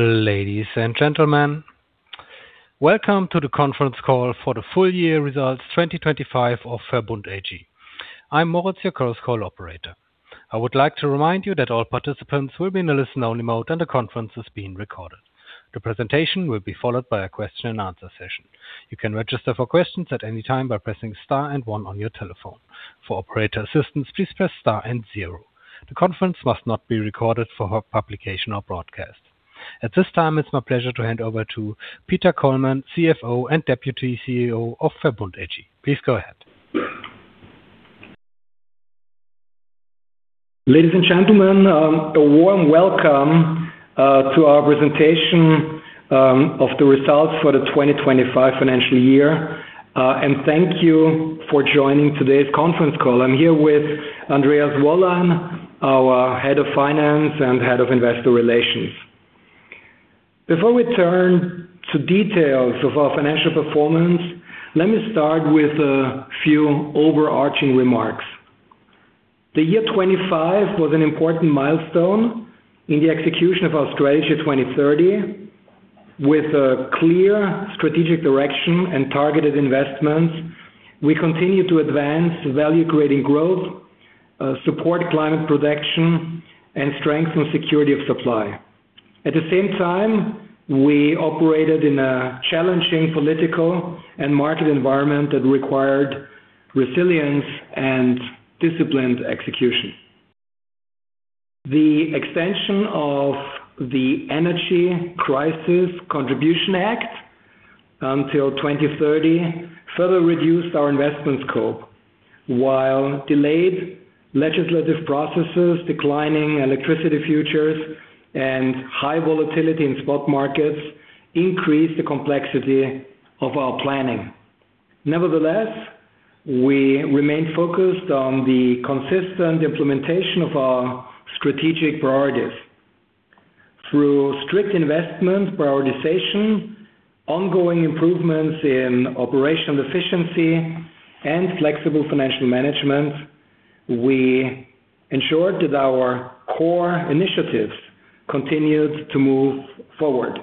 Ladies and gentlemen, welcome to the conference call for the full year results 2025 of VERBUND AG. I'm Moritz, your conference call operator. I would like to remind you that all participants will be in a listen-only mode and the conference is being recorded. The presentation will be followed by a question and answer session. You can register for questions at any time by pressing star and one on your telephone. For operator assistance, please press star and zero. The conference must not be recorded for publication or broadcast. At this time, it's my pleasure to hand over to Peter Kollmann, CFO and Deputy CEO of VERBUND AG. Please go ahead. Ladies and gentlemen, a warm welcome to our presentation of the results for the 2025 financial year. Thank you for joining today's conference call. I'm here with Andreas Wollein, our Head of Finance and Head of Investor Relations. Before we turn to details of our financial performance, let me start with a few overarching remarks. The year 2025 was an important milestone in the execution of our strategy 2030. With a clear strategic direction and targeted investments, we continue to advance value-creating growth, support climate protection, and strengthen security of supply. At the same time, we operated in a challenging political and market environment that required resilience and disciplined execution. The extension of the Energy Crisis Contribution Act until 2030 further reduced our investment scope, while delayed legislative processes, declining electricity futures, and high volatility in spot markets increased the complexity of our planning. Nevertheless, we remain focused on the consistent implementation of our strategic priorities. Through strict investment prioritization, ongoing improvements in operational efficiency, and flexible financial management, we ensured that our core initiatives continued to move forward.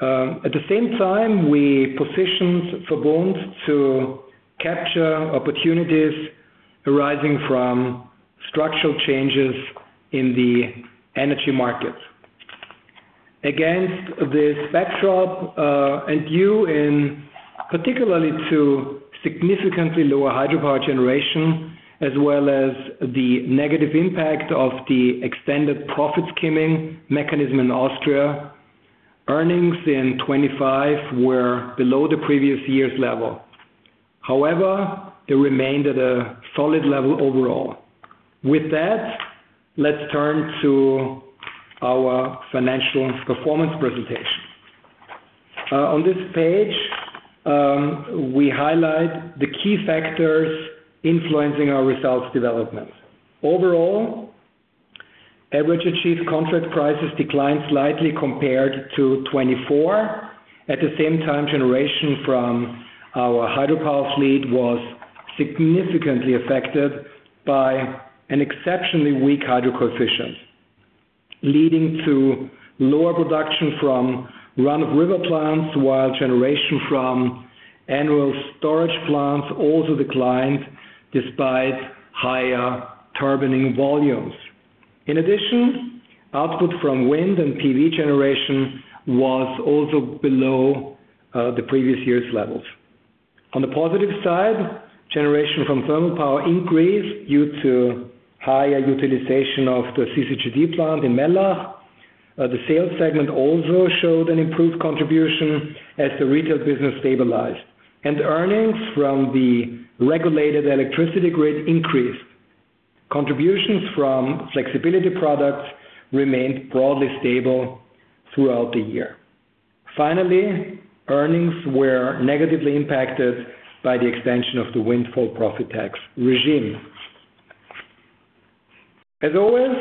At the same time, we positioned VERBUND to capture opportunities arising from structural changes in the energy market. Against this backdrop, and due in particular to significantly lower hydropower generation, as well as the negative impact of the extended profit-skimming mechanism in Austria, earnings in 2025 were below the previous year's level. However, they remained at a solid level overall. With that, let's turn to our financial performance presentation. On this page, we highlight the key factors influencing our results development. Overall, average achieved contract prices declined slightly compared to 2024. At the same time, generation from our hydropower fleet was significantly affected by an exceptionally weak hydro coefficient, leading to lower production from run-of-river plants, while generation from annual storage plants also declined despite higher turbining volumes. In addition, output from wind and PV generation was also below the previous year's levels. On the positive side, generation from thermal power increased due to higher utilization of the CCGT plant in Mellach. The sales segment also showed an improved contribution as the retail business stabilized, and earnings from the regulated electricity grid increased. Contributions from flexibility products remained broadly stable throughout the year. Finally, earnings were negatively impacted by the extension of the windfall profit tax regime. As always,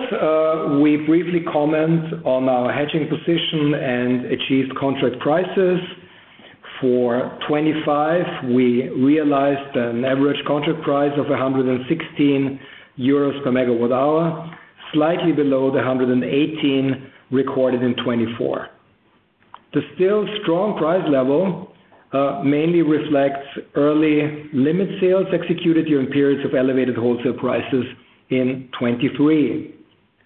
we briefly comment on our hedging position and achieved contract prices. For 2025, we realized an average contract price of 116 euros per MWh, slightly below the 118 recorded in 2024. The still strong price level mainly reflects early limit sales executed during periods of elevated wholesale prices in 2023.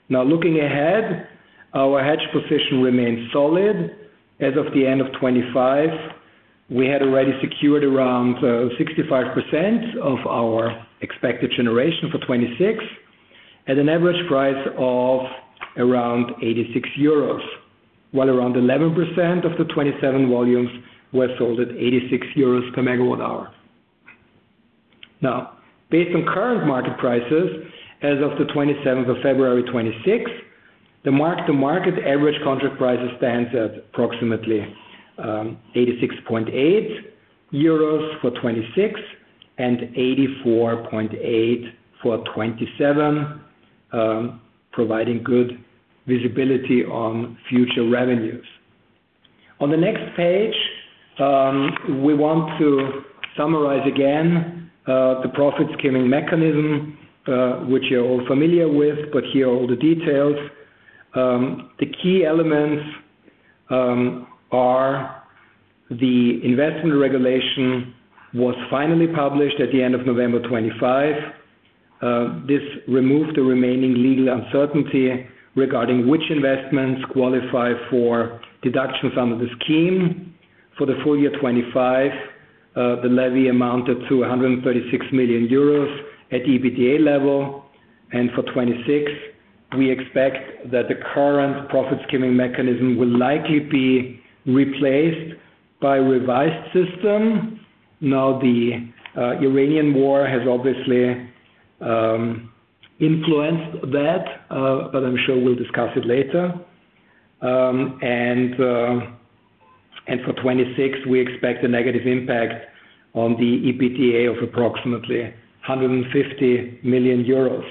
Now looking ahead, our hedge position remains solid. As of the end of 2025, we had already secured around 65% of our expected generation for 2026 at an average price of around 86 euros, while around 11% of the 2027 volumes were sold at 86 euros per MWh. Now, based on current market prices, as of the 27th of February 2026, the mark-to-market average contract prices stands at approximately 86.8 euros for 2026 and 84.8 EUR for 2027, providing good visibility on future revenues. On the next page, we want to summarize again the profit-skimming mechanism, which you're all familiar with, but here are all the details. The key elements are the investment regulation was finally published at the end of November 2025. This removed the remaining legal uncertainty regarding which investments qualify for deductions under the scheme. For the full year 2025, the levy amounted to 136 million euros at EBITDA level. For 2026, we expect that the current profit-skimming mechanism will likely be replaced by revised system. Now, the Iranian war has obviously influenced that, but I'm sure we'll discuss it later. For 2026, we expect a negative impact on the EBITDA of approximately 150 million euros.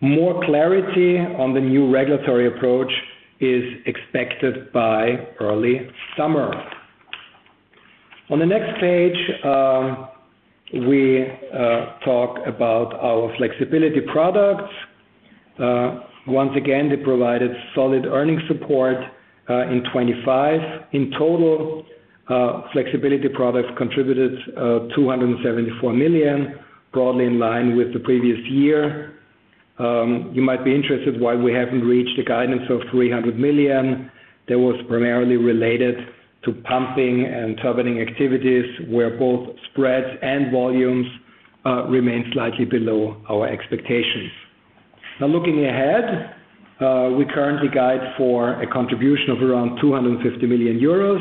More clarity on the new regulatory approach is expected by early summer. On the next page, we talk about our flexibility products. Once again, they provided solid earnings support in 2025. In total, flexibility products contributed 274 million, broadly in line with the previous year. You might be interested why we haven't reached a guidance of 300 million. That was primarily related to pumping and turbining activities, where both spreads and volumes remain slightly below our expectations. Now looking ahead, we currently guide for a contribution of around 250 million euros.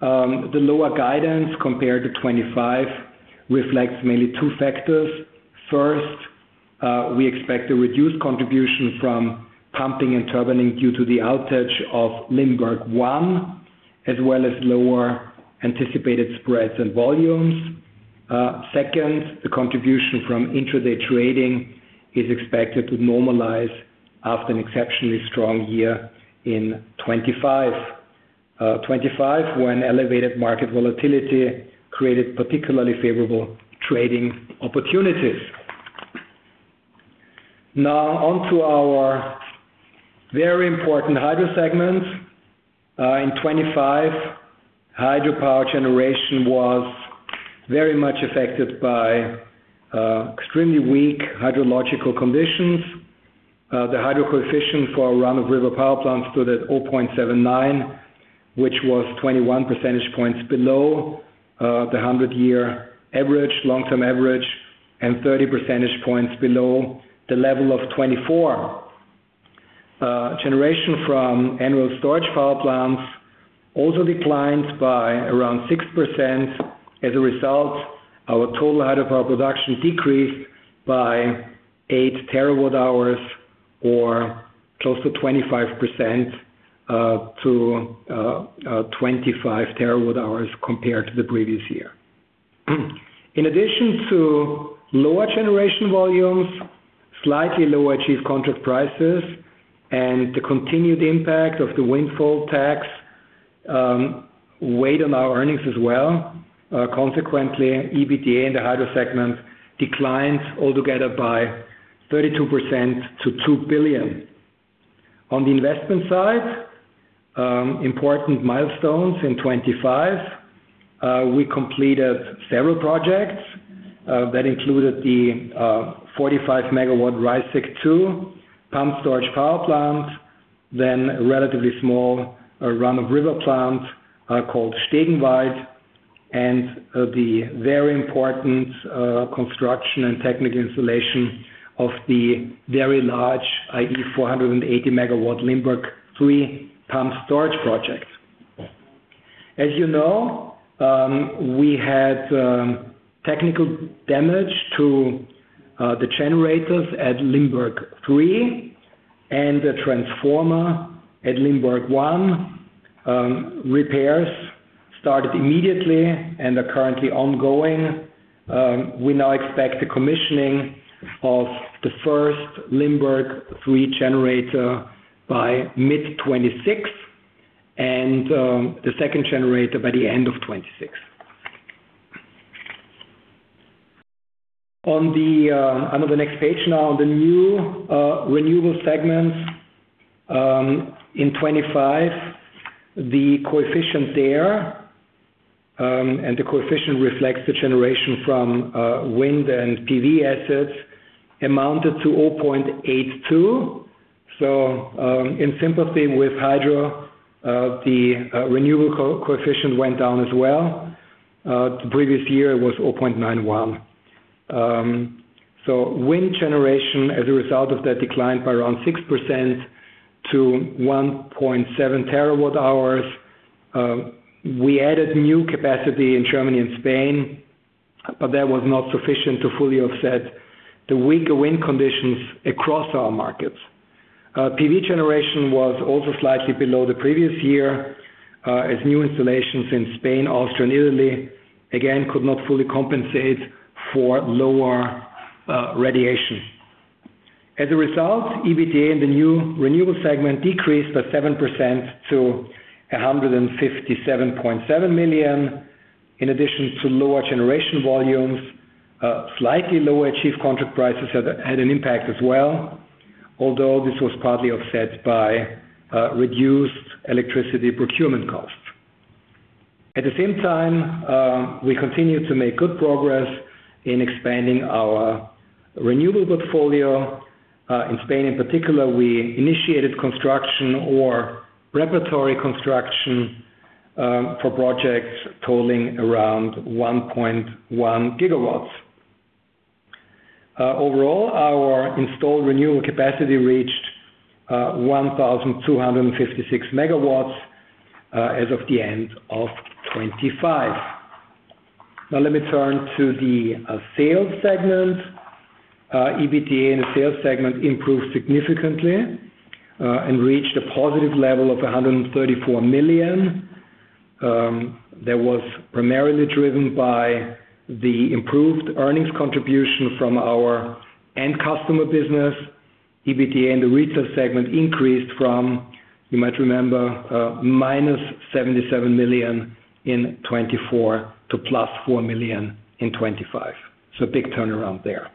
The lower guidance compared to 2025 reflects mainly two factors. First, we expect a reduced contribution from pumping and turbining due to the outage of Limberg I, as well as lower anticipated spreads and volumes. Second, the contribution from intraday trading is expected to normalize after an exceptionally strong year in 2025, when elevated market volatility created particularly favorable trading opportunities. Now onto our very important hydro segment. In 2025, hydropower generation was very much affected by extremely weak hydrological conditions. The hydro coefficient for our run-of-river power plants stood at 0.79, which was 21 percentage points below the hundred-year average, long-term average, and 30 percentage points below the level of 2024. Generation from annual storage power plants also declined by around 6%. As a result, our total hydropower production decreased by 8 TWh or close to 25%, to 25 TWh compared to the previous year. In addition to lower generation volumes, slightly lower achieved contract prices, and the continued impact of the windfall tax, weighed on our earnings as well. Consequently, EBITDA in the hydro segment declined altogether by 32% to 2 billion. On the investment side, important milestones in 2025, we completed several projects, that included the 45 MW Reißeck II pumped-storage power plant, then a relatively small run-of-river plant, called Stegenwald, and the very important construction and technical installation of the very large, i.e., 480 MW Limberg III pumped-storage project. As you know, we had technical damage to the generators at Limberg III and the transformer at Limberg I. Repairs started immediately and are currently ongoing. We now expect the commissioning of the first Limberg III generator by mid-2026, and the second generator by the end of 2026. On to the next page now. On the new renewable segments, in 2025, the coefficient there, and the coefficient reflects the generation from wind and PV assets, amounted to 0.82. In sympathy with hydro, the renewable coefficient went down as well. The previous year it was 0.91. Wind generation as a result of that declined by around 6% to 1.7 TWh. We added new capacity in Germany and Spain, but that was not sufficient to fully offset the weaker wind conditions across our markets. PV generation was also slightly below the previous year, as new installations in Spain, Austria, and Italy, again, could not fully compensate for lower radiation. As a result, EBITDA in the new renewable segment decreased by 7% to 157.7 million. In addition to lower generation volumes, slightly lower achieved contract prices had an impact as well. Although this was partly offset by reduced electricity procurement costs. At the same time, we continue to make good progress in expanding our renewable portfolio. In Spain in particular, we initiated construction or preparatory construction for projects totaling around 1.1 GW. Overall, our installed renewable capacity reached 1,256 MW as of the end of 2025. Now let me turn to the sales segment. EBITDA in the sales segment improved significantly and reached a positive level of 134 million. That was primarily driven by the improved earnings contribution from our end customer business. EBITDA in the retail segment increased from, you might remember, -77 million in 2024 to 4 million in 2025. Big turnaround there.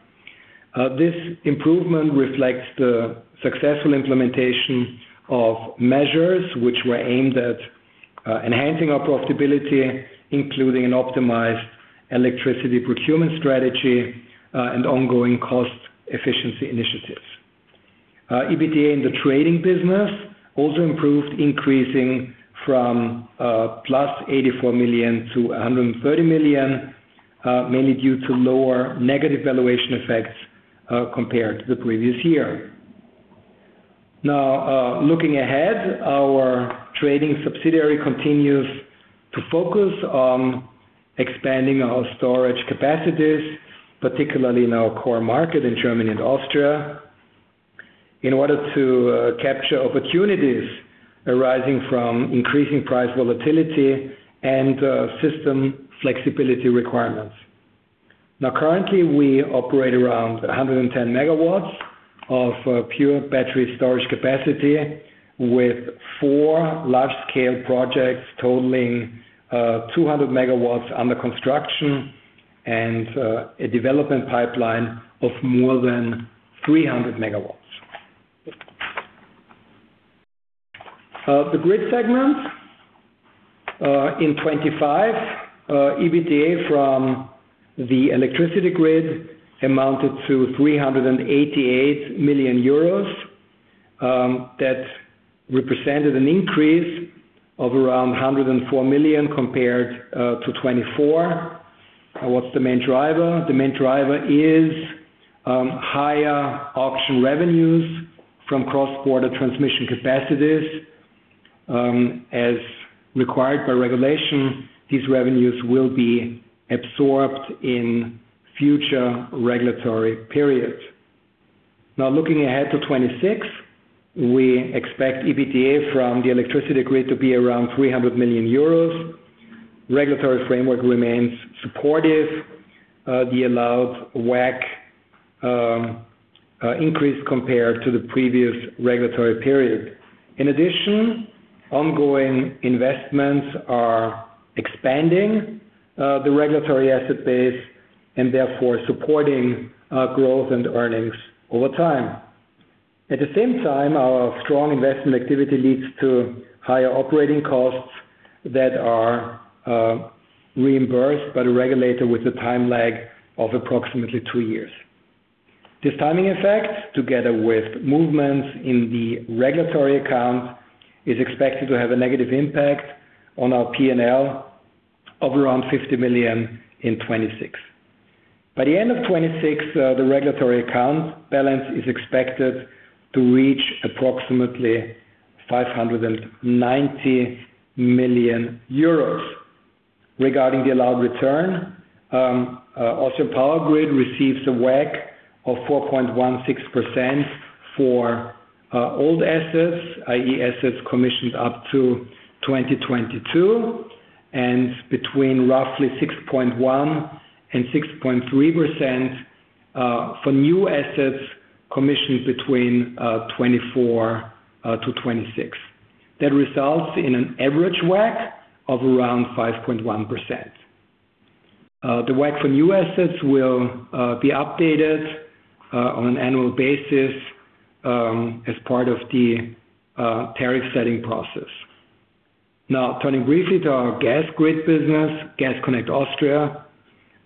This improvement reflects the successful implementation of measures which were aimed at enhancing our profitability, including an optimized electricity procurement strategy and ongoing cost efficiency initiatives. EBITDA in the trading business also improved, increasing from +84 million to 130 million, mainly due to lower negative valuation effects compared to the previous year. Now, looking ahead, our trading subsidiary continues to focus on expanding our storage capacities, particularly in our core market in Germany and Austria, in order to capture opportunities arising from increasing price volatility and system flexibility requirements. Now, currently, we operate around 110 MW of pure battery storage capacity with four large-scale projects totaling 200 MW under construction and a development pipeline of more than 300 MW. The grid segment. In 2025, EBITDA from the electricity grid amounted to 388 million euros. That represented an increase of around 104 million compared to 2024. What's the main driver? The main driver is higher auction revenues from cross-border transmission capacities. As required by regulation, these revenues will be absorbed in future regulatory periods. Now looking ahead to 2026, we expect EBITDA from the electricity grid to be around 300 million euros. Regulatory framework remains supportive. The allowed WACC increase compared to the previous regulatory period. In addition, ongoing investments are expanding the regulatory asset base and therefore supporting growth and earnings over time. At the same time, our strong investment activity leads to higher operating costs that are reimbursed by the regulator with a time lag of approximately two years. This timing effect, together with movements in the regulatory account, is expected to have a negative impact on our P&L of around 50 million in 2026. By the end of 2026, the regulatory account balance is expected to reach approximately 590 million euros. Regarding the allowed return, Austrian Power Grid receives a WACC of 4.16% for old assets, i.e., assets commissioned up to 2022, and between roughly 6.1% and 6.3% for new assets commissioned between 2024 to 2026. That results in an average WACC of around 5.1%. The WACC from new assets will be updated on an annual basis as part of the tariff-setting process. Now turning briefly to our gas grid business, Gas Connect Austria.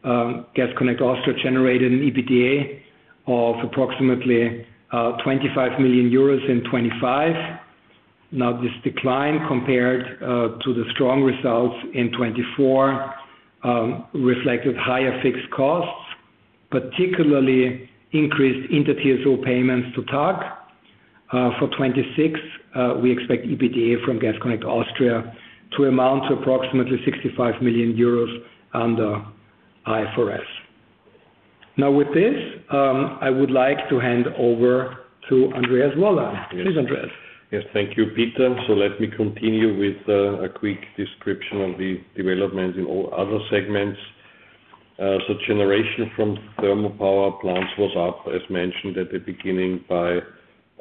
Gas Connect Austria generated an EBITDA of approximately 25 million euros in 2025. Now this decline compared to the strong results in 2024 reflected higher fixed costs, particularly increased inter-TSO payments to TAG. For 2026, we expect EBITDA from Gas Connect Austria to amount to approximately 65 million euros under IFRS. Now with this, I would like to hand over to Andreas Wollein. Please, Andreas. Yes. Thank you, Peter. Let me continue with a quick description of the developments in all other segments. Generation from thermal power plants was up, as mentioned at the beginning, by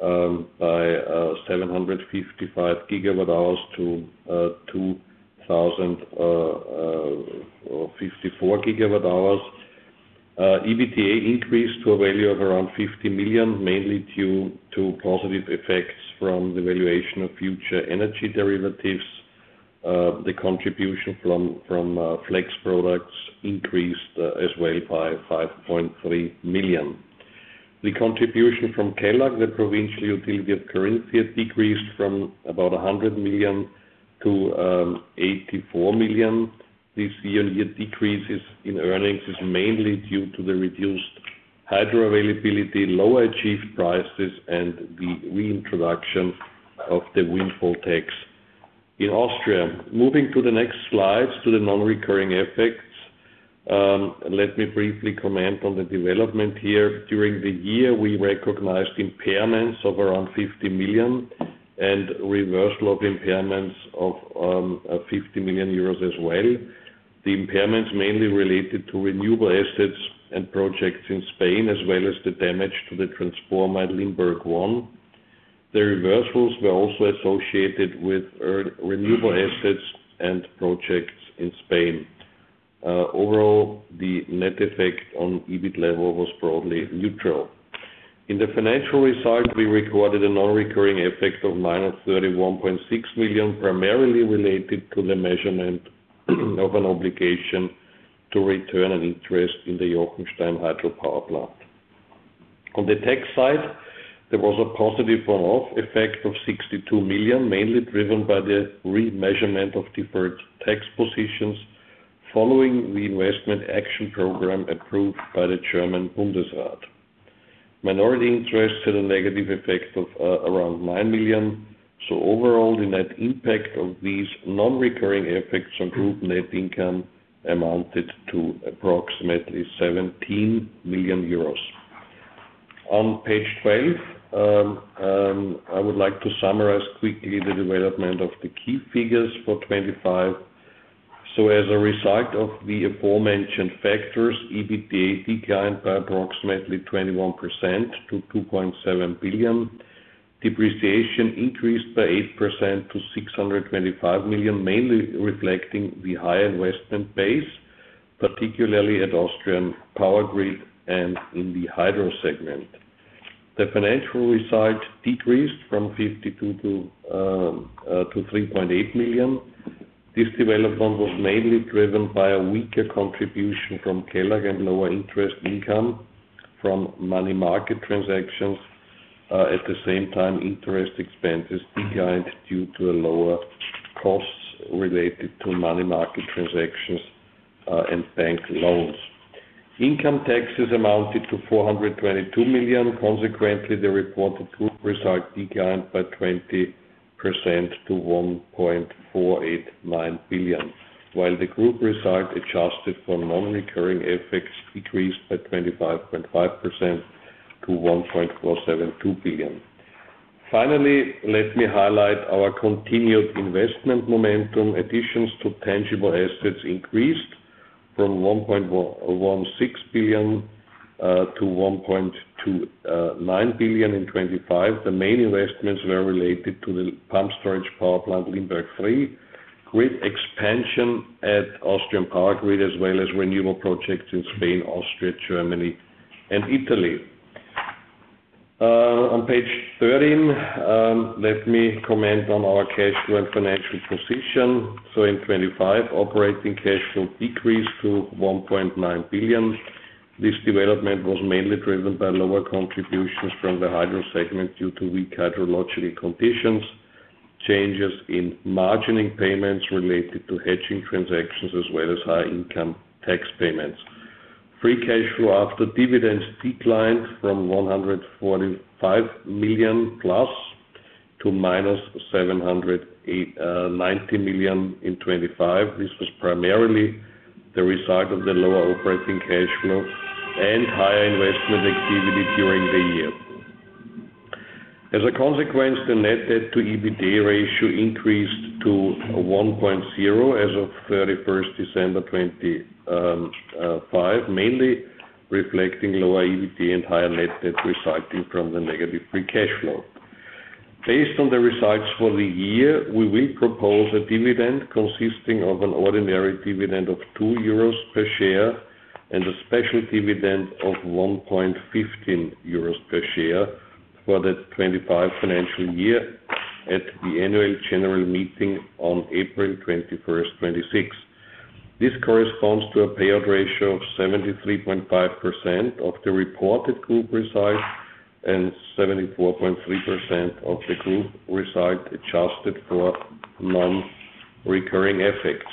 755 GWh to 2,054 GWh. EBITDA increased to a value of around 50 million, mainly due to positive effects from the valuation of future energy derivatives. The contribution from Flex products increased as well by 5.3 million. The contribution from Kelag, the provincial utility of Carinthia, has decreased from about 100 million to 84 million. This year's decreases in earnings is mainly due to the reduced hydro availability, lower achieved prices, and the reintroduction of the windfall tax in Austria. Moving to the next slide, to the non-recurring effects, let me briefly comment on the development here. During the year, we recognized impairments of around 50 million and reversal of impairments of 50 million euros as well. The impairments mainly related to renewable assets and projects in Spain, as well as the damage to the transformer at Limberg I. The reversals were also associated with renewable assets and projects in Spain. Overall, the net effect on EBIT level was broadly neutral. In the financial result, we recorded a non-recurring effect of -31.6 million, primarily related to the measurement of an obligation to return an interest in the Jochenstein hydropower plant. On the tax side, there was a positive one-off effect of 62 million, mainly driven by the remeasurement of deferred tax positions following the Investment Acceleration Act approved by the German Bundesrat. Minority interest had a negative effect of around 9 million. Overall, the net impact of these non-recurring effects on group net income amounted to approximately 17 million euros. On page 12, I would like to summarize quickly the development of the key figures for 2025. As a result of the aforementioned factors, EBITDA declined by approximately 21% to 2.7 billion. Depreciation increased by 8% to 625 million, mainly reflecting the higher investment base, particularly at Austrian Power Grid and in the hydro segment. The financial result decreased from 52 to 3.8 million. This development was mainly driven by a weaker contribution from Kelag and lower interest income from money market transactions. At the same time, interest expenses declined due to lower costs related to money market transactions and bank loans. Income taxes amounted to 422 million. Consequently, the reported group result declined by 20% to 1.489 billion, while the group result adjusted for non-recurring effects decreased by 25.5% to 1.472 billion. Finally, let me highlight our continued investment momentum. Additions to tangible assets increased from 1.16 billion to 1.29 billion in 2025. The main investments were related to the pumped-storage power plant, Limberg III, grid expansion at Austrian Power Grid, as well as renewable projects in Spain, Austria, Germany, and Italy. On page thirteen, let me comment on our cash flow and financial position. In 2025, operating cash flow decreased to 1.9 billion. This development was mainly driven by lower contributions from the hydro segment due to weak hydrological conditions, changes in margining payments related to hedging transactions, as well as high income tax payments. Free cash flow after dividends declined from +145 million to -789 million in 2025. This was primarily the result of the lower operating cash flow and higher investment activity during the year. As a consequence, the net debt to EBITDA ratio increased to 1.0 as of 31st December 2025, mainly reflecting lower EBITDA and higher net debt resulting from the negative free cash flow. Based on the results for the year, we will propose a dividend consisting of an ordinary dividend of 2 euros per share and a special dividend of 1.15 euros per share for the 2025 financial year at the annual general meeting on April 21st, 2026. This corresponds to a payout ratio of 73.5% of the reported group result and 74.3% of the group result adjusted for non-recurring effects.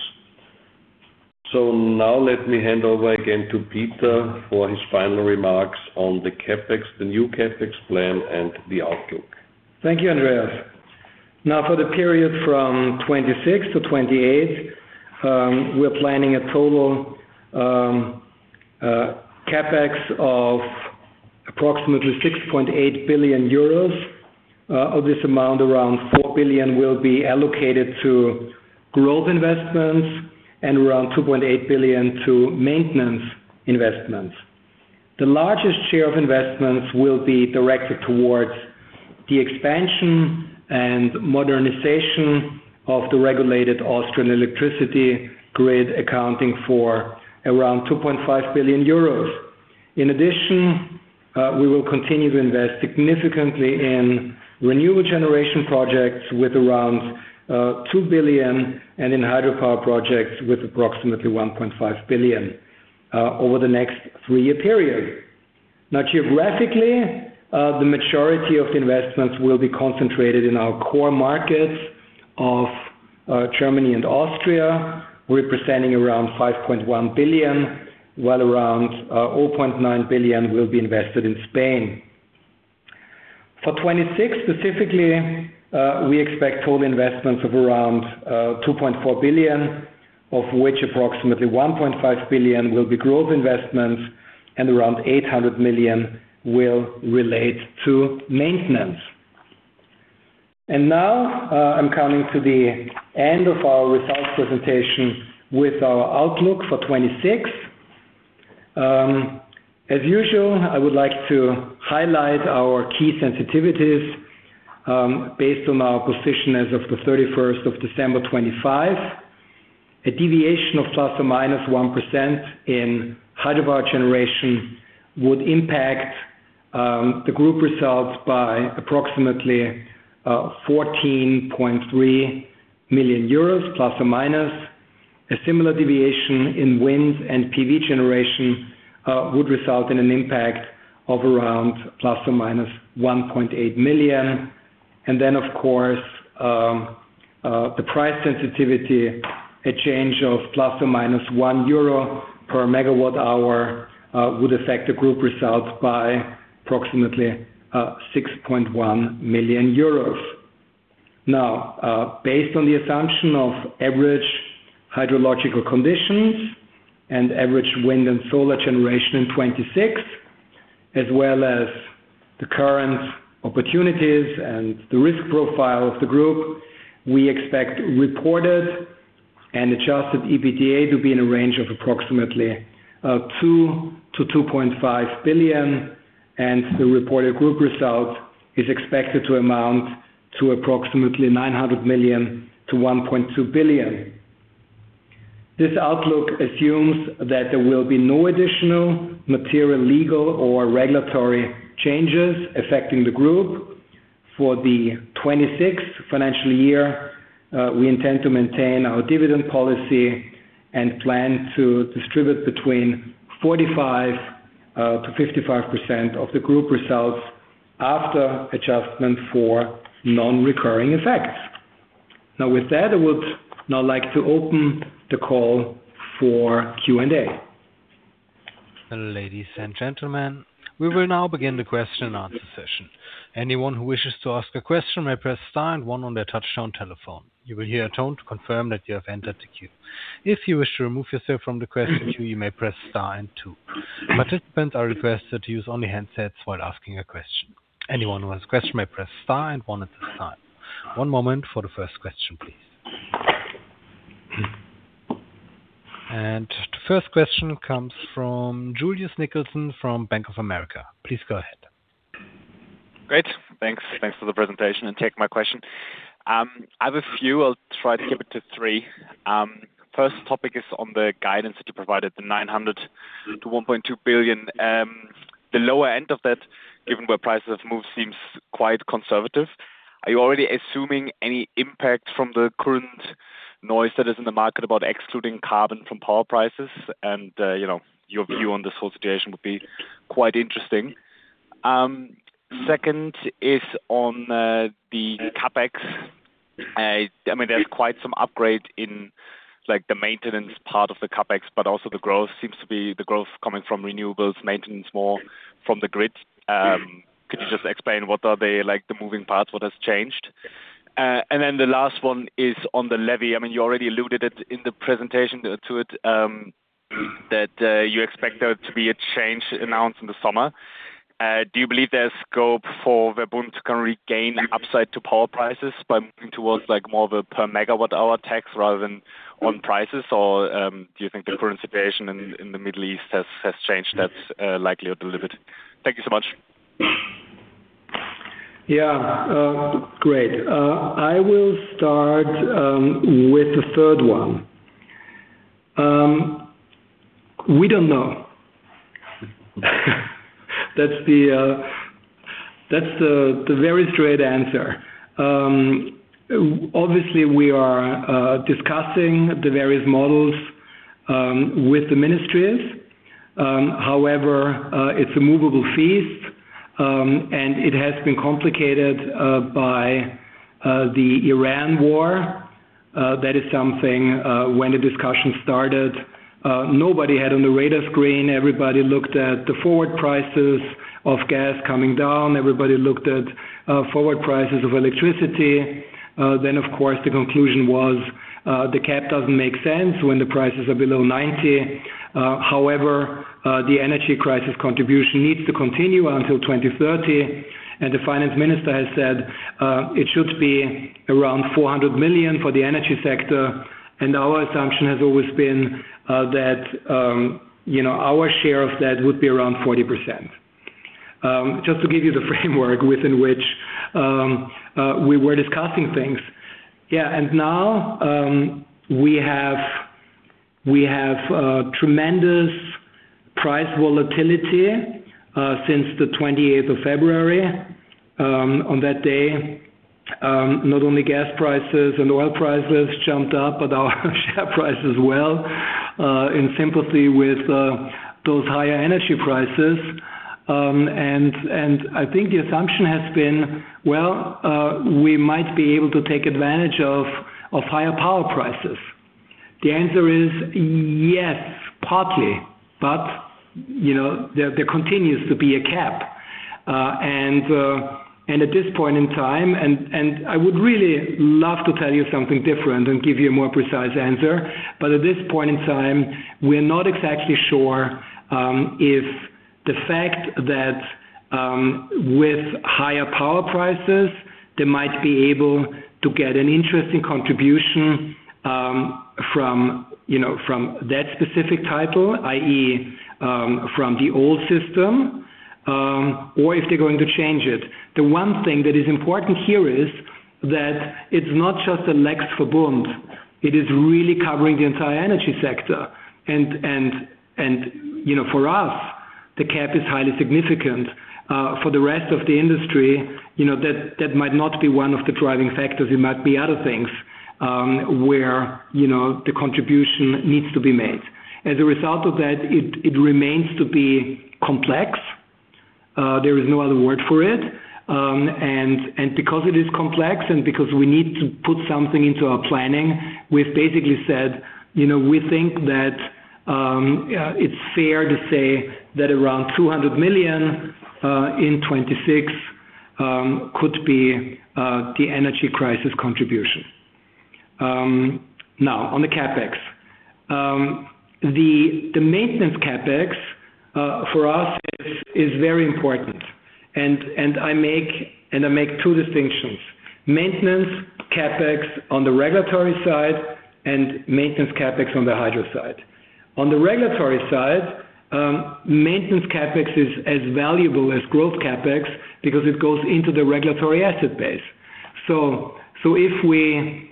Now let me hand over again to Peter for his final remarks on the CapEx, the new CapEx plan and the outlook. Thank you, Andreas. Now, for the period from 2026 to 2028, we're planning a total CapEx of approximately 6.8 billion euros. Of this amount, around 4 billion will be allocated to growth investments and around 2.8 billion to maintenance investments. The largest share of investments will be directed towards the expansion and modernization of the regulated Austrian electricity grid, accounting for around 2.5 billion euros. In addition, we will continue to invest significantly in renewable generation projects with around 2 billion and in hydropower projects with approximately 1.5 billion over the next three-year period. Now, geographically, the majority of the investments will be concentrated in our core markets of Germany and Austria, representing around 5.1 billion, while around 0.9 billion will be invested in Spain. For 2026 specifically, we expect total investments of around 2.4 billion, of which approximately 1.5 billion will be growth investments and around 800 million will relate to maintenance. Now, I'm coming to the end of our results presentation with our outlook for 2026. As usual, I would like to highlight our key sensitivities, based on our position as of the 31st of December 2025. A deviation of ±1% in hydropower generation would impact the group results by approximately 14.3 million euros ±. A similar deviation in wind and PV generation would result in an impact of around ±1.8 million. Of course, the price sensitivity, a change of ±1 euro per megawatt hour, would affect the group results by approximately 6.1 million euros. Now, based on the assumption of average hydrological conditions and average wind and solar generation in 2026, as well as the current opportunities and the risk profile of the group, we expect reported and adjusted EBITDA to be in a range of approximately 2 billion-2.5 billion, and the reported group result is expected to amount to approximately 900 million-1.2 billion. This outlook assumes that there will be no additional material, legal, or regulatory changes affecting the group. For the 26th financial year, we intend to maintain our dividend policy and plan to distribute between 45%-55% of the group results after adjustment for non-recurring effects. Now, with that, I would now like to open the call for Q&A. Ladies and gentlemen, we will now begin the question and answer session. Anyone who wishes to ask a question may press star and one on their touchtone telephone. You will hear a tone to confirm that you have entered the queue. If you wish to remove yourself from the question queue, you may press star and two. Participants are requested to use only handsets while asking a question. Anyone who has a question may press star and one at this time. One moment for the first question, please. The first question comes from Julius Nickelsen from Bank of America. Please go ahead. Great. Thanks. Thanks for the presentation and taking my question. I have a few. I'll try to keep it to three. First topic is on the guidance that you provided, the 900 million to 1.2 billion. The lower end of that, given where prices have moved, seems quite conservative. Are you already assuming any impact from the current noise that is in the market about excluding carbon from power prices? You know, your view on this whole situation would be quite interesting. Second is on the CapEx. I mean, there's quite some upgrade in, like, the maintenance part of the CapEx, but also the growth coming from renewables, maintenance more from the grid. Could you just explain what are they like, the moving parts, what has changed? The last one is on the levy. I mean, you already alluded to it in the presentation, that you expect there to be a change announced in the summer. Do you believe there's scope for VERBUND to kind of regain upside to power prices by moving towards, like, more of a per megawatt hour tax rather than on prices? Or, do you think the current situation in the Middle East has changed that likelihood a little bit? Thank you so much. Yeah. Great. I will start with the third one. We don't know. That's the very straight answer. Obviously, we are discussing the various models with the ministries. However, it's a movable feast, and it has been complicated by the Iran crisis. That is something. When the discussion started, nobody had on the radar screen. Everybody looked at the forward prices of gas coming down. Everybody looked at forward prices of electricity. Then of course, the conclusion was, the cap doesn't make sense when the prices are below 90. However, the energy crisis contribution needs to continue until 2030. The finance minister has said it should be around 400 million for the energy sector. Our assumption has always been, that, you know, our share of that would be around 40%. Just to give you the framework within which we were discussing things. Now, we have tremendous price volatility since the twenty-eighth of February. On that day, not only gas prices and oil prices jumped up, but our share price as well, in sympathy with those higher energy prices. I think the assumption has been, well, we might be able to take advantage of higher power prices. The answer is yes, partly, but, you know, there continues to be a cap. At this point in time, I would really love to tell you something different and give you a more precise answer. At this point in time, we're not exactly sure if the fact that with higher power prices, they might be able to get an interesting contribution from, you know, from that specific title, i.e., from the old system or if they're going to change it. The one thing that is important here is that it's not just a Lex Verbund. It is really covering the entire energy sector. You know, for us, the cap is highly significant. For the rest of the industry, you know, that might not be one of the driving factors. It might be other things where, you know, the contribution needs to be made. As a result of that, it remains to be complex. There is no other word for it. Because it is complex and because we need to put something into our planning, we've basically said, you know, we think that it's fair to say that around 200 million in 2026 could be the energy crisis contribution. Now on the CapEx. The maintenance CapEx for us is very important. I make two distinctions. Maintenance CapEx on the regulatory side and maintenance CapEx on the hydro side. On the regulatory side, maintenance CapEx is as valuable as growth CapEx because it goes into the regulatory asset base. If we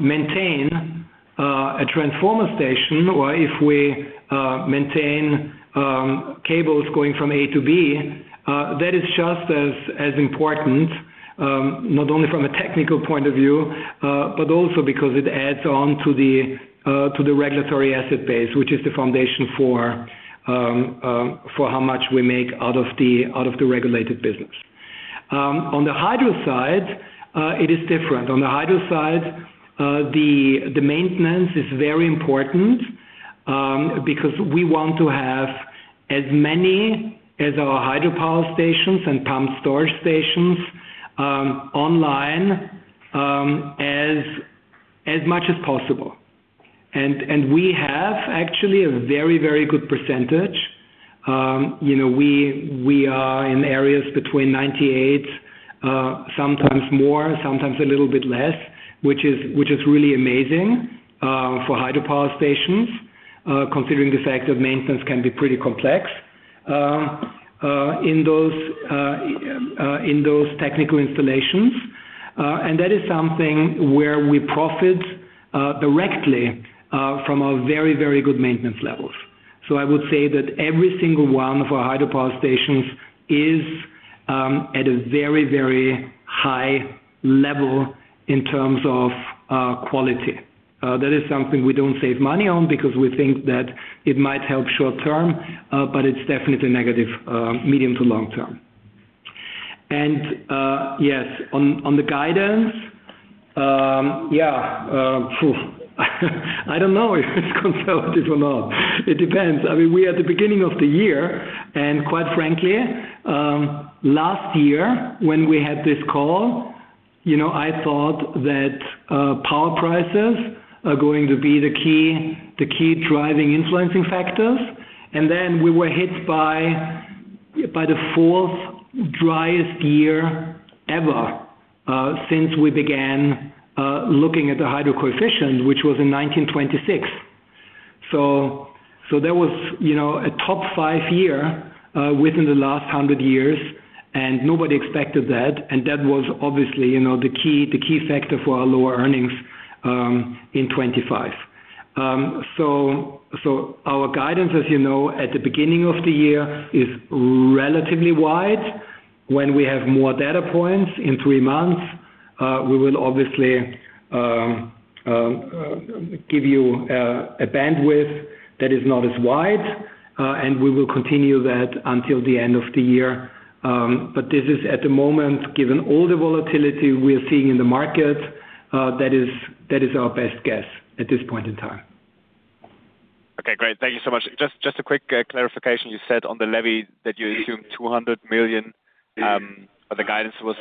maintain a transformer station or if we maintain cables going from A to B, that is just as important, not only from a technical point of view, but also because it adds on to the regulatory asset base, which is the foundation for how much we make out of the regulated business. On the hydro side, it is different. On the hydro side, the maintenance is very important because we want to have as many of our hydropower stations and pumped storage stations online, as much as possible. We have actually a very good percentage. You know, we are in areas between 98%, sometimes more, sometimes a little bit less, which is really amazing for hydropower stations, considering the fact that maintenance can be pretty complex in those technical installations. That is something where we profit directly from our very, very good maintenance levels. I would say that every single one of our hydropower stations is at a very, very high level in terms of quality. That is something we don't save money on because we think that it might help short term, but it's definitely negative medium to long term. Yes, on the guidance, yeah, I don't know if it's conservative or not. It depends. I mean, we are at the beginning of the year, and quite frankly, last year when we had this call, you know, I thought that power prices are going to be the key driving influencing factors. We were hit by the fourth driest year ever since we began looking at the hydro coefficient, which was in 1926. That was, you know, a top five year within the last 100 years, and nobody expected that. That was obviously, you know, the key factor for our lower earnings in 2025. Our guidance, as you know, at the beginning of the year is relatively wide. When we have more data points in three months, we will obviously give you a bandwidth that is not as wide, and we will continue that until the end of the year. This is at the moment, given all the volatility we're seeing in the market, that is our best guess at this point in time. Okay, great. Thank you so much. Just a quick clarification. You said on the levy that you assumed 200 million. But the guidance was,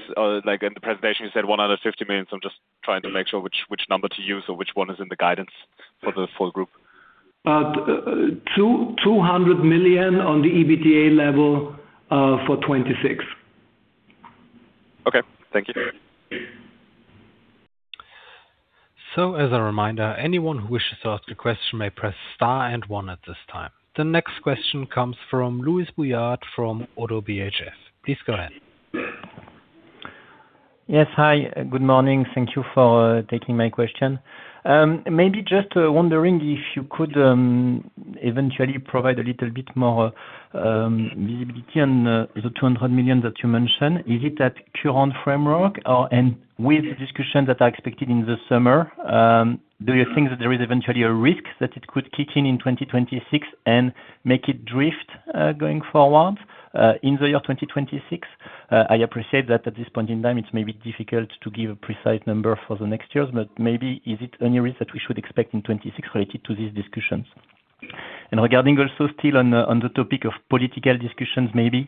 like in the presentation, you said 150 million. I'm just trying to make sure which number to use or which one is in the guidance for the full group. 200 million on the EBITDA level for 2026. Okay. Thank you. As a reminder, anyone who wishes to ask a question may press star and one at this time. The next question comes from Louis Boujard from ODDO BHF. Please go ahead. Yes. Hi, good morning. Thank you for taking my question. Maybe just wondering if you could eventually provide a little bit more visibility on the 200 million that you mentioned. Is it that current framework, and with the discussions that are expected in the summer, do you think that there is eventually a risk that it could kick in in 2026 and make it drift going forward in the year 2026? I appreciate that at this point in time, it may be difficult to give a precise number for the next years, but maybe is it any risk that we should expect in 2026 related to these discussions? Regarding also still on the topic of political discussions maybe,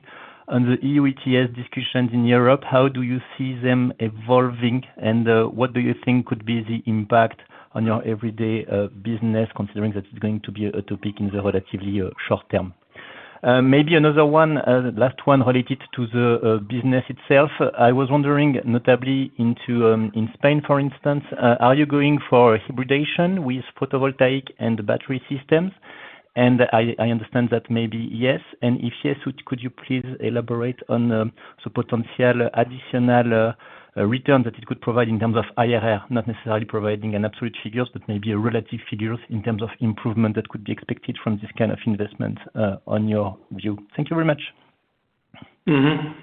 on the EU ETS discussions in Europe, how do you see them evolving and what do you think could be the impact on your everyday business considering that it's going to be a topic in the relatively short term? Maybe another one, the last one related to the business itself. I was wondering, notably in Spain, for instance, are you going for hybridization with photovoltaic and battery systems? I understand that maybe yes. If yes, could you please elaborate on the potential additional return that it could provide in terms of IRR? Not necessarily providing an absolute figures, but maybe a relative figures in terms of improvement that could be expected from this kind of investment in your view. Thank you very much. I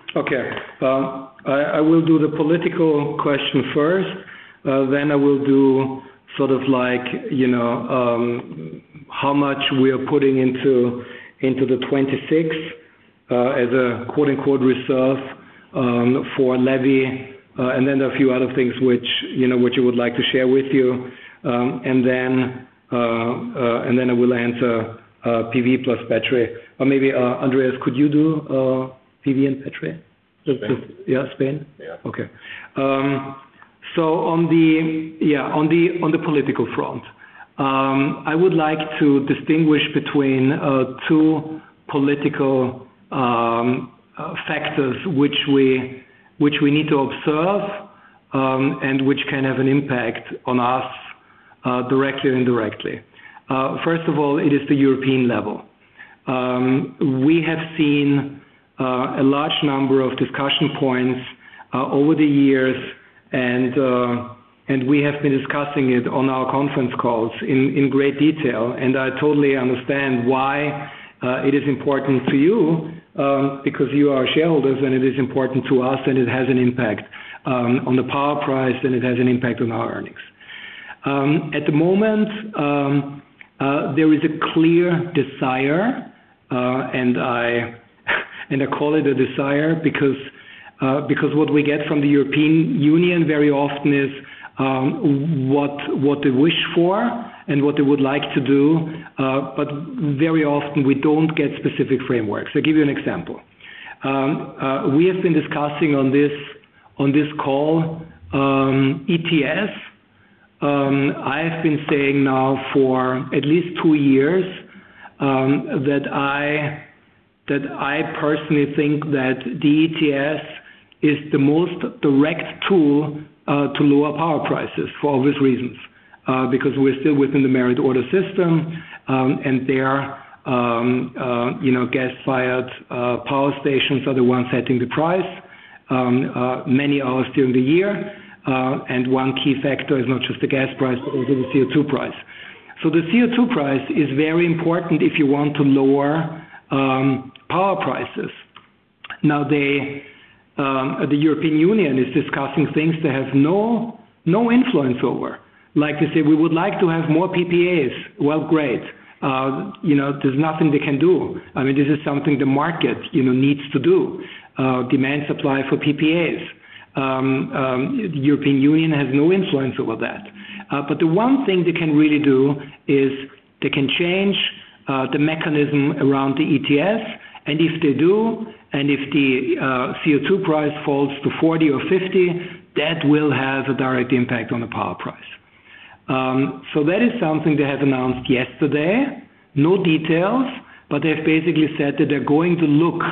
will do the political question first. I will do sort of like, you know, how much we are putting into the 2026, as a quote-unquote reserve, for levy, and then a few other things which, you know, which I would like to share with you. I will answer PV plus battery. Maybe, Andreas, could you do PV and battery? Spain. Yeah, Spain? Yeah. Okay. On the political front, I would like to distinguish between two political factors which we need to observe and which can have an impact on us directly or indirectly. First of all, it is the European level. We have seen a large number of discussion points over the years and we have been discussing it on our conference calls in great detail. I totally understand why it is important to you because you are shareholders and it is important to us, and it has an impact on the power price, and it has an impact on our earnings. At the moment, there is a clear desire, and I call it a desire because what we get from the European Union very often is what they wish for and what they would like to do, but very often we don't get specific frameworks. I'll give you an example. We have been discussing on this call ETS. I have been saying now for at least two years that I personally think that the ETS is the most direct tool to lower power prices for obvious reasons. Because we're still within the merit order system, and you know, gas-fired power stations are the ones setting the price many hours during the year. One key factor is not just the gas price, but also the CO₂ price. The CO₂ price is very important if you want to lower power prices. The European Union is discussing things they have no influence over. Like they say, "We would like to have more PPAs." Well, great. You know, there's nothing they can do. I mean, this is something the market, you know, needs to do. Demand supply for PPAs. European Union has no influence over that. The one thing they can really do is they can change the mechanism around the ETS. If they do, if the CO₂ price falls to 40 or 50, that will have a direct impact on the power price. That is something they have announced yesterday. No details, they've basically said that they're going to look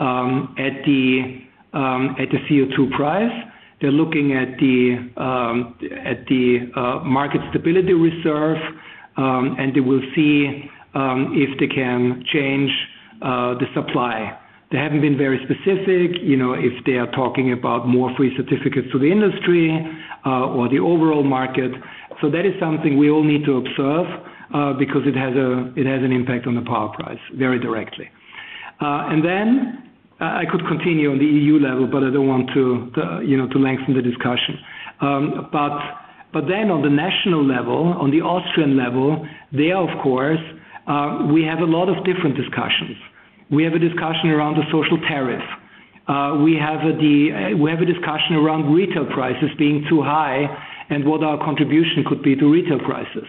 at the CO₂ price. They're looking at the Market Stability Reserve, and they will see if they can change the supply. They haven't been very specific, you know, if they are talking about more free certificates to the industry or the overall market. So that is something we all need to observe because it has an impact on the power price very directly. I could continue on the EU level, but I don't want to, you know, lengthen the discussion. On the national level, on the Austrian level, there of course we have a lot of different discussions. We have a discussion around the social tariff. We have a discussion around retail prices being too high and what our contribution could be to retail prices.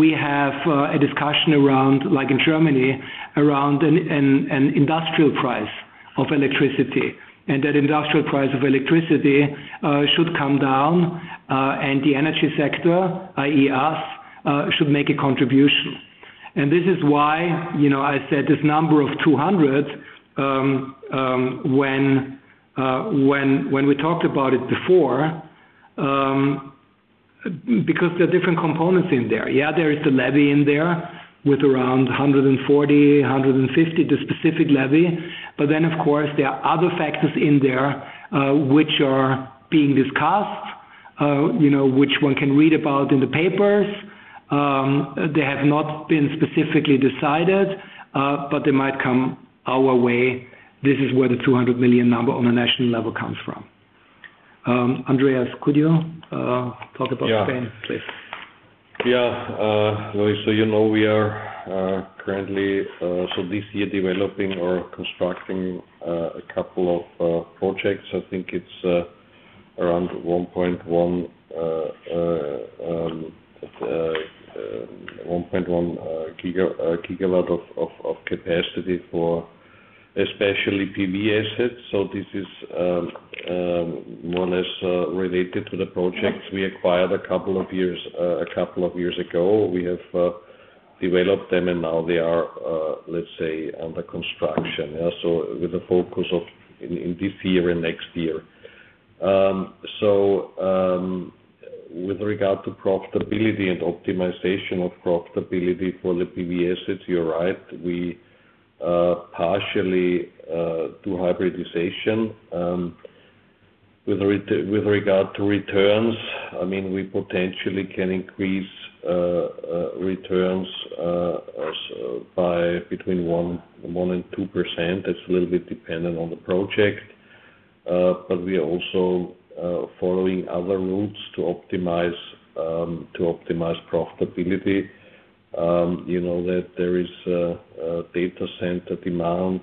We have a discussion around, like in Germany, around an industrial price of electricity, and that industrial price of electricity should come down, and the energy sector, i.e. us, should make a contribution. This is why, you know, I said this number of 200 when we talked about it before, because there are different components in there. Yeah, there is the levy in there with around 140-150, the specific levy. Then, of course, there are other factors in there, which are being discussed, you know, which one can read about in the papers. They have not been specifically decided, but they might come our way. This is where the 200 million number on a national level comes from. Andreas, could you talk about Yeah. Spain, please? Yeah. So you know, we are currently developing or constructing a couple of projects this year. I think it's around 1.1 GW of capacity for especially PV assets. So this is more or less related to the projects we acquired a couple of years ago. We have developed them and now they are, let's say, under construction. Yeah, so with the focus in this year and next year. So, with regard to profitability and optimization of profitability for the PV assets, you're right. We partially do hybridization with regard to returns. I mean, we potentially can increase returns by between 1% and 2%. It's a little bit dependent on the project. We are also following other routes to optimize profitability. You know that there is a data center demand,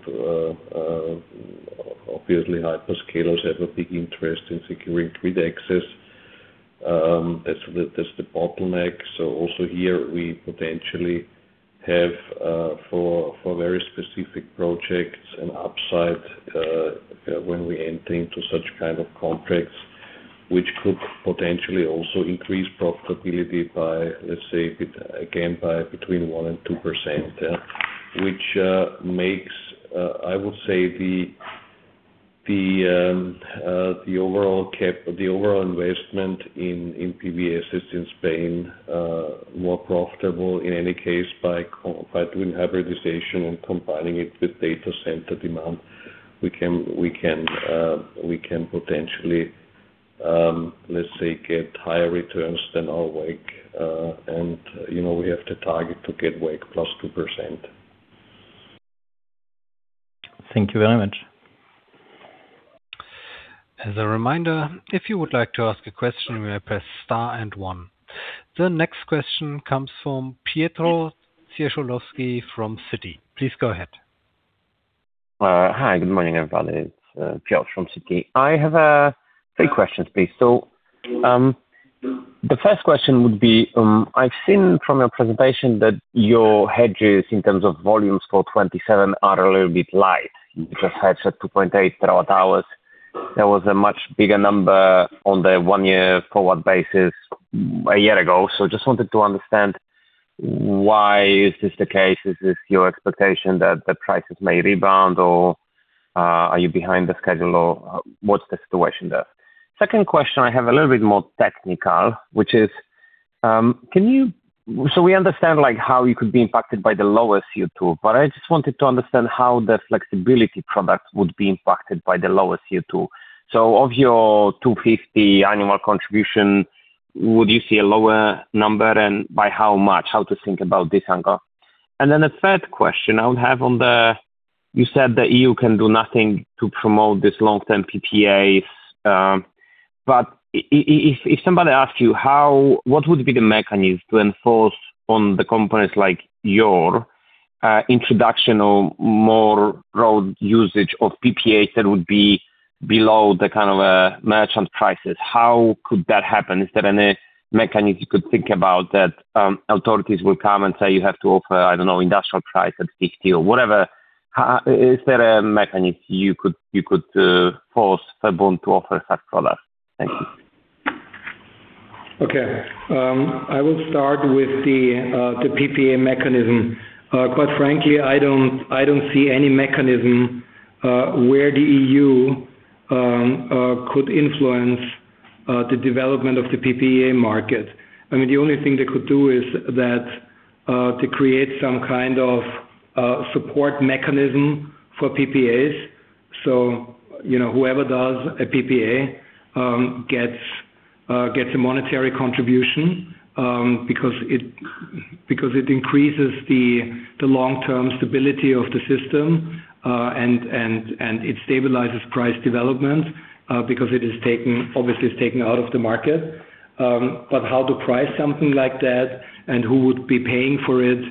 obviously hyperscalers have a big interest in securing grid access, as the bottleneck. Also here we potentially have, for very specific projects an upside, when we enter into such kind of contracts, which could potentially also increase profitability by, let's say, by between 1% and 2%. Yeah. Which makes, I would say the overall investment in PV assets in Spain more profitable in any case by doing hybridization and combining it with data center demand. We can potentially, let's say, get higher returns than our WACC. you know, we have to target to get WACC +2%. Thank you very much. As a reminder, if you would like to ask a question, you may press star and one. The next question comes from Piotr Dzieciolowski from Citi. Please go ahead. Hi, good morning, everybody. It's Piotr from Citi. I have three questions, please. The first question would be, I've seen from your presentation that your hedges in terms of volumes for 2027 are a little bit light. You just hedged at 2.8 TWh. There was a much bigger number on the one-year forward basis a year ago. Just wanted to understand why is this the case? Is this your expectation that the prices may rebound, or are you behind the schedule, or what's the situation there? Second question I have a little bit more technical, which is, we understand like how you could be impacted by the lower CO₂, but I just wanted to understand how the flexibility product would be impacted by the lower CO₂. Of your 250 annual contribution, would you see a lower number, and by how much? How to think about this anchor. You said that you can do nothing to promote this long-term PPAs, but if somebody asks you what would be the mechanism to enforce on the companies like yours the introduction of more broad usage of PPAs that would be below the kind of a merchant prices, how could that happen? Is there any mechanism you could think about that authorities will come and say you have to offer, I don't know, industrial price at 60 or whatever. Is there a mechanism you could force VERBUND to offer such product? Thank you. Okay. I will start with the PPA mechanism. Quite frankly, I don't see any mechanism where the EU could influence the development of the PPA market. I mean, the only thing they could do is that to create some kind of support mechanism for PPAs. You know, whoever does a PPA gets a monetary contribution because it increases the long-term stability of the system and it stabilizes price development because it is taken, obviously, it's taken out of the market. How to price something like that and who would be paying for it?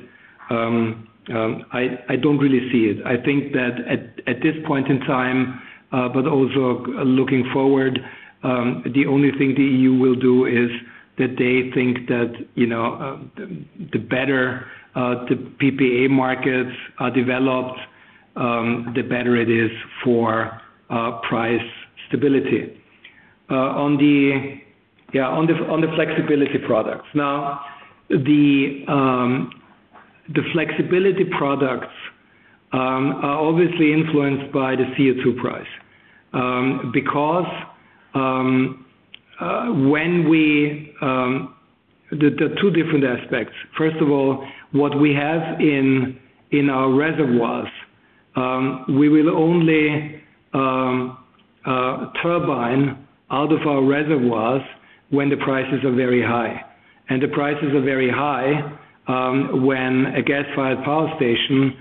I don't really see it. I think that at this point in time, but also looking forward, the only thing the EU will do is that they think that, you know, the better the PPA markets are developed, the better it is for price stability. On the flexibility products. Now the flexibility products are obviously influenced by the CO2 price. Because the two different aspects. First of all, what we have in our reservoirs, we will only turbine out of our reservoirs when the prices are very high. The prices are very high when a gas-fired power station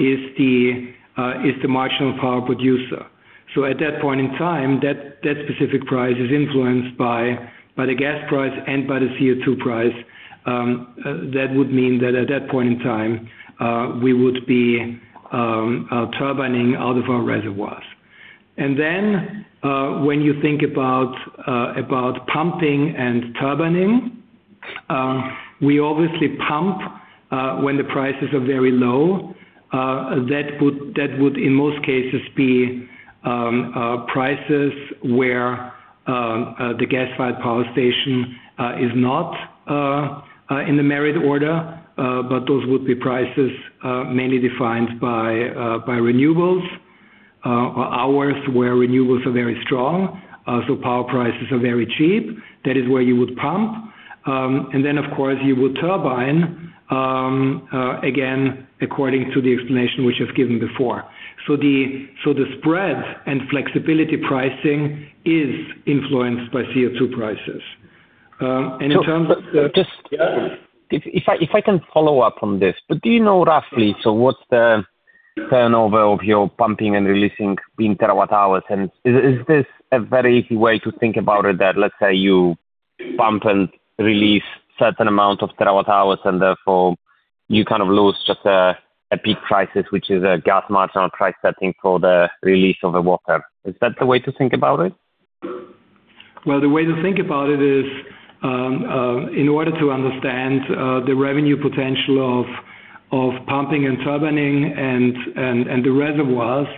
is the marginal power producer. At that point in time, that specific price is influenced by the gas price and by the CO₂ price. That would mean that at that point in time, we would be turbining out of our reservoirs. When you think about pumping and turbining, we obviously pump when the prices are very low. That would in most cases be prices where the gas-fired power station is not in the merit order. But those would be prices mainly defined by renewables or hours where renewables are very strong, so power prices are very cheap. That is where you would pump. Of course, you would turbine again according to the explanation which I've given before. The spread and flexibility pricing is influenced by CO₂ prices. So just- Yeah. If I can follow up on this. Do you know roughly, so what's the turnover of your pumping and releasing in terawatt-hours? Is this a very easy way to think about it that let's say you pump and release certain amount of terawatt-hours and therefore you kind of lose just a peak prices, which is a gas marginal price setting for the release of the water? Is that the way to think about it? Well, the way to think about it is, in order to understand the revenue potential of pumping and turbining and the reservoirs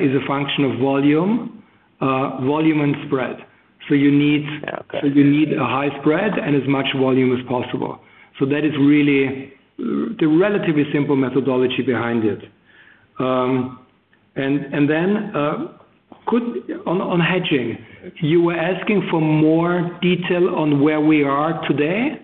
is a function of volume and spread. So you need. Okay. You need a high spread and as much volume as possible. That is really the relatively simple methodology behind it. On hedging, you were asking for more detail on where we are today?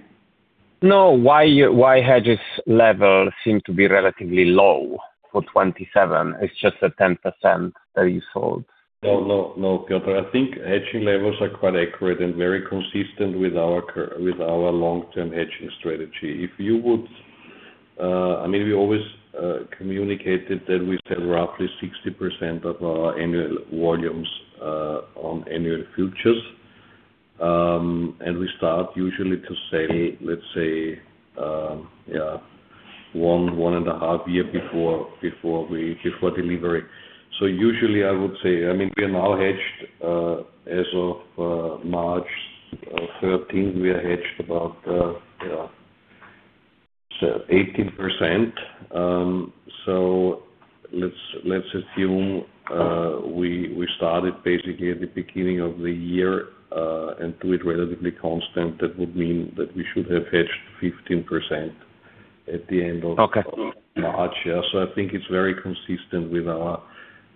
No. Why are your hedges level seems to be relatively low for 2027? It's just a 10% that you sold. No, no, Piotr. I think hedging levels are quite accurate and very consistent with our long-term hedging strategy. If you would, I mean, we always communicated that we sell roughly 60% of our annual volumes on annual futures. We start usually to sell, let's say, yeah, 1.5 years before delivery. Usually I would say, I mean, we are now hedged as of March 13, we are hedged about, yeah, 18%. Let's assume we started basically at the beginning of the year and do it relatively constant. That would mean that we should have hedged 15% at the end of- Okay. March, yeah. I think it's very consistent with our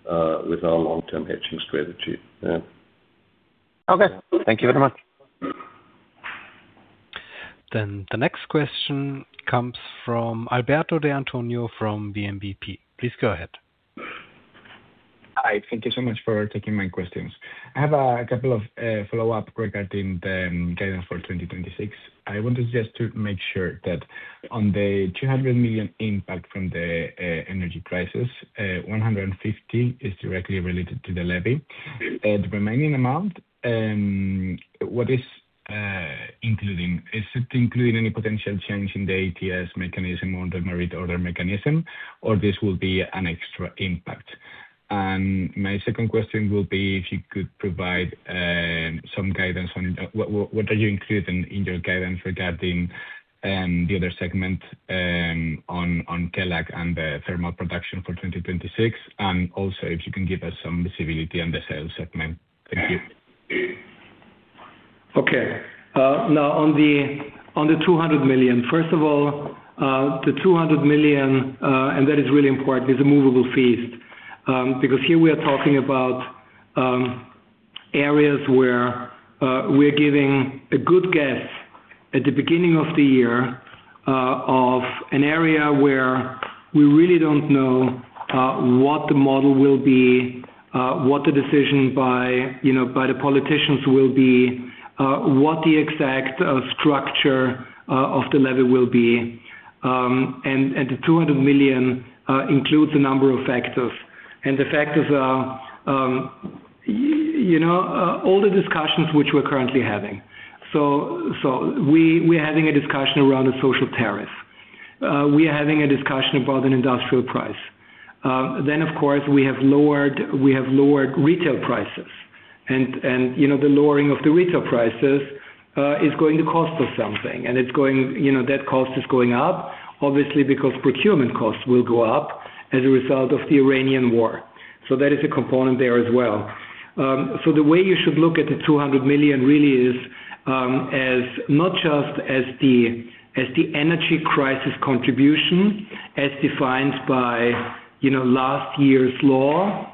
long-term hedging strategy. Yeah. Okay. Thank you very much. The next question comes from Alberto de Antonio from BNP. Please go ahead. Hi. Thank you so much for taking my questions. I have a couple of follow-up regarding the guidance for 2026. I want just to make sure that on the 200 million impact from the energy crisis, 150 is directly related to the levy. The remaining amount, what is including? Is it including any potential change in the ETS mechanism or the merit order mechanism, or this will be an extra impact? My second question will be if you could provide some guidance on what are you including in your guidance regarding the other segment on Kelag and the thermal production for 2026. Also, if you can give us some visibility on the sales segment. Thank you. Okay. Now on the 200 million. First of all, the 200 million, and that is really important, is a movable feast. Because here we are talking about areas where we're giving a good guess at the beginning of the year, of an area where we really don't know what the model will be, what the decision by, you know, by the politicians will be, what the exact structure of the level will be. And the 200 million includes a number of factors. The factors are, you know, all the discussions which we're currently having. We are having a discussion around a social tariff. We are having a discussion about an industrial price. Of course, we have lowered retail prices, and you know, the lowering of the retail prices is going to cost us something. It's going, you know, that cost is going up, obviously, because procurement costs will go up as a result of the Iran crisis. That is a component there as well. The way you should look at the 200 million really is as not just the energy crisis contribution as defined by, you know, last year's law,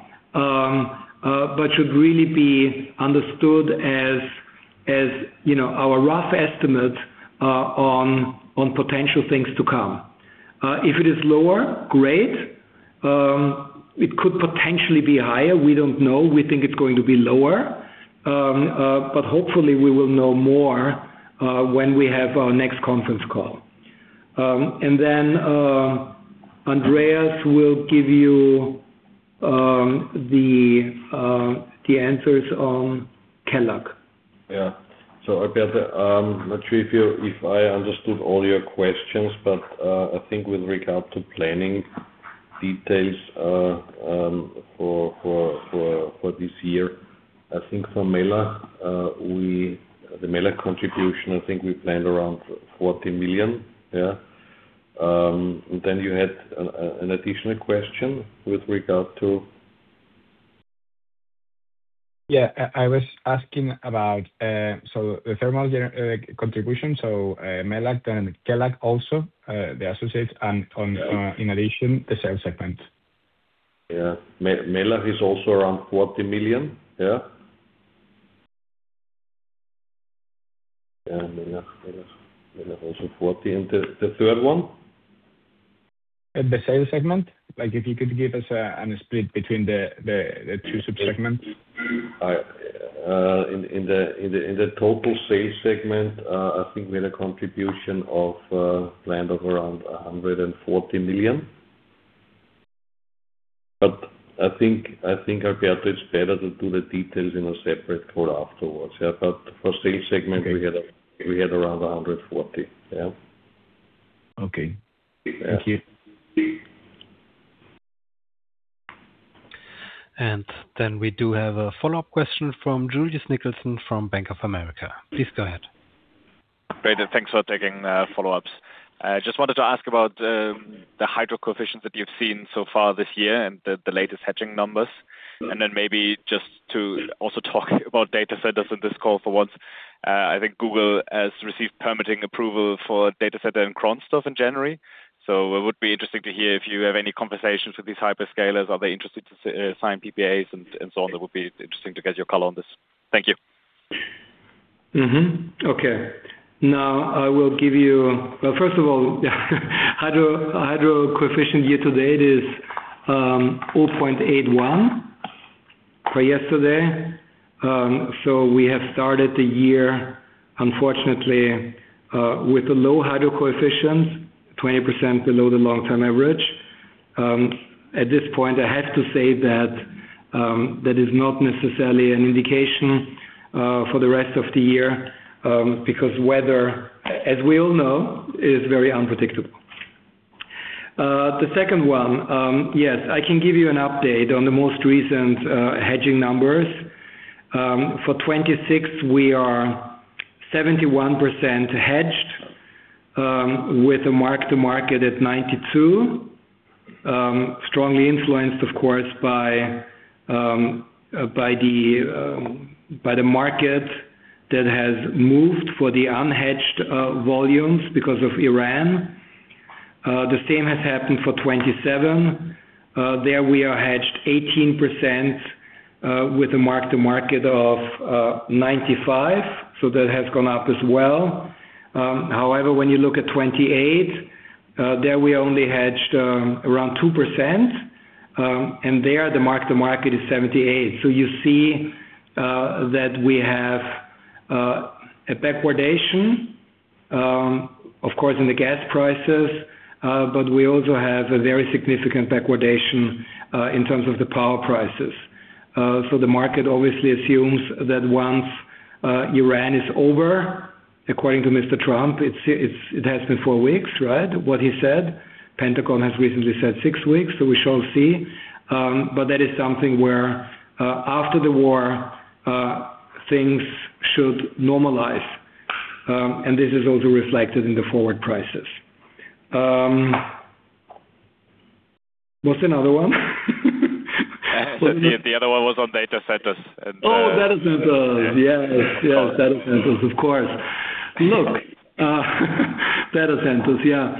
but should really be understood as, you know, our rough estimate on potential things to come. If it is lower, great. It could potentially be higher. We don't know. We think it's going to be lower. Hopefully we will know more when we have our next conference call. Andreas will give you the answers on Kelag. Alberto, I'm not sure if I understood all your questions, but I think with regard to planning details, for this year, I think for Mellach, the Mellach contribution, I think we planned around 40 million. Then you had an additional question with regard to Yeah. I was asking about the thermal generation contribution, so Mellach and Kelag also, the associates and own, in addition, the sales segment. Yeah. Mellach is also around 40 million. Yeah. The third one? The sales segment. Like, if you could give us a split between the two sub-segments. In the total sales segment, I think we had a planned contribution of around 140 million. I think, Alberto, it's better to do the details in a separate call afterwards. Yeah. For sales segment, we had around 140 million. Yeah. Okay. Thank you. We do have a follow-up question from Julius Nickelsen from Bank of America. Please go ahead. Great. Thanks for taking follow-ups. I just wanted to ask about the hydro coefficients that you've seen so far this year and the latest hedging numbers. Maybe just to also talk about data centers in this call for once. I think Google has received permitting approval for a data center in Kronstorf in January. It would be interesting to hear if you have any conversations with these hyperscalers. Are they interested to sign PPAs and so on? It would be interesting to get your call on this. Thank you. Now, I will give you. Well, first of all, hydro coefficient year to date is 0.81 for yesterday. So we have started the year, unfortunately, with a low hydro coefficient, 20% below the long-term average. At this point, I have to say that that is not necessarily an indication for the rest of the year because weather, as we all know, is very unpredictable. The second one, yes, I can give you an update on the most recent hedging numbers. For 2026, we are 71% hedged, with a mark-to-market at 92. Strongly influenced, of course, by the market that has moved for the unhedged volumes because of Iran. The same has happened for 2027. There we are hedged 18%, with a mark-to-market of 95. That has gone up as well. However, when you look at 28, there we only hedged around 2%. There the mark-to-market is 78. You see that we have a backwardation, of course, in the gas prices, but we also have a very significant backwardation in terms of the power prices. The market obviously assumes that once Iran is over, according to Mr. Trump, it has been four weeks, right? What he said. Pentagon has recently said six weeks, so we shall see. That is something where, after the war, things should normalize. This is also reflected in the forward prices. What's another one? The other one was on data centers. Data centers. Yes. Data centers, of course. Data centers, yeah.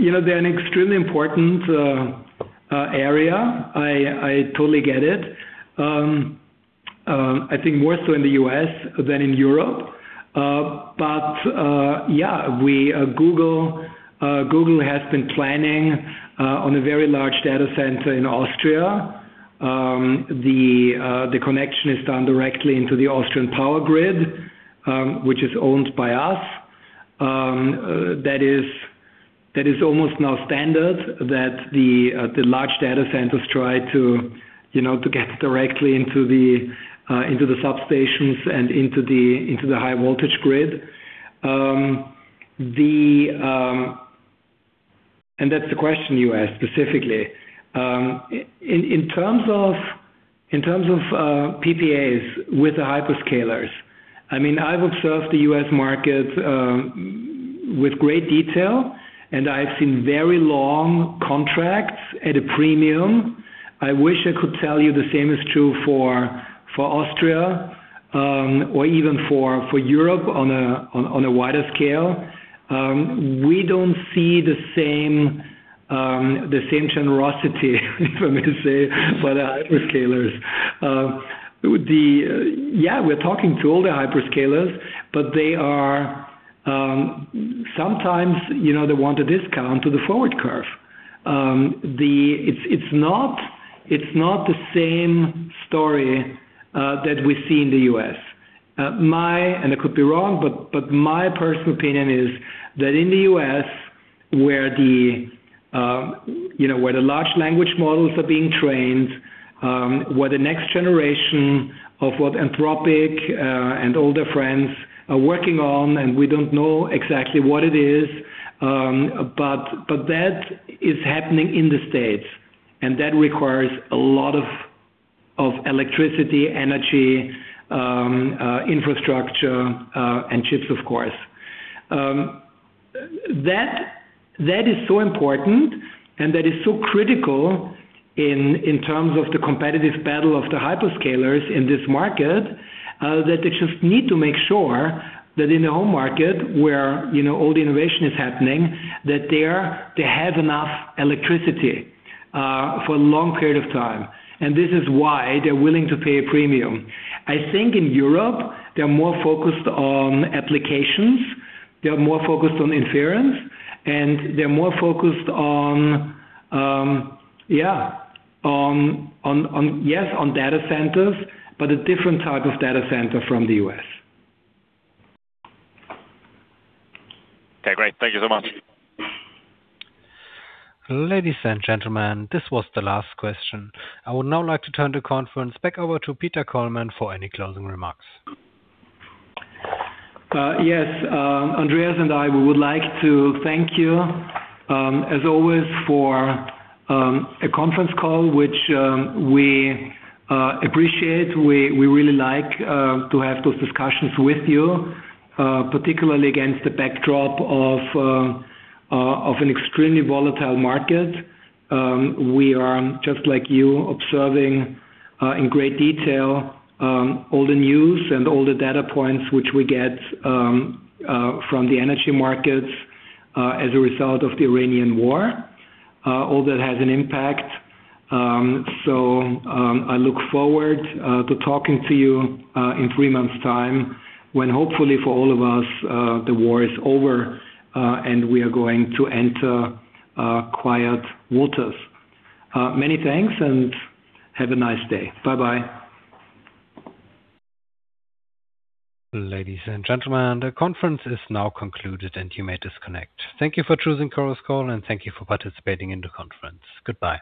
You know, they're an extremely important area. I totally get it. I think more so in the U.S. than in Europe. But yeah, Google has been planning on a very large data center in Austria. The connection is done directly into the Austrian Power Grid, which is owned by us. That is almost now standard that the large data centers try to, you know, to get directly into the substations and into the high voltage grid. That's the question you asked specifically. In terms of PPAs with the hyperscalers, I mean, I observe the U.S. market with great detail, and I've seen very long contracts at a premium. I wish I could tell you the same is true for Austria, or even for Europe on a wider scale. We don't see the same generosity for me to say for the hyperscalers. Yeah, we're talking to all the hyperscalers, but they are sometimes, you know, they want a discount to the forward curve. It's not the same story that we see in the U.S. I could be wrong, but my personal opinion is that in the US, where you know, where the large language models are being trained, where the next generation of what Anthropic and all their friends are working on, and we don't know exactly what it is, but that is happening in the States. That requires a lot of electricity, energy, infrastructure, and chips, of course. That is so important, and that is so critical in terms of the competitive battle of the hyperscalers in this market, that they just need to make sure that in their home market where you know, all the innovation is happening, that they have enough electricity for a long period of time. This is why they're willing to pay a premium. I think in Europe, they're more focused on applications. They are more focused on inference, and they're more focused on data centers, but a different type of data center from the US. Okay, great. Thank you so much. Ladies and gentlemen, this was the last question. I would now like to turn the conference back over to Peter Kollmann for any closing remarks. Yes. Andreas and I, we would like to thank you, as always, for a conference call, which we appreciate. We really like to have those discussions with you, particularly against the backdrop of an extremely volatile market. We are, just like you, observing in great detail all the news and all the data points which we get from the energy markets as a result of the Iran crisis. All that has an impact. I look forward to talking to you in three months' time, when hopefully for all of us the war is over and we are going to enter quiet waters. Many thanks, and have a nice day. Bye-bye. Ladies and gentlemen, the conference is now concluded, and you may disconnect. Thank you for choosing Chorus Call, and thank you for participating in the conference. Goodbye.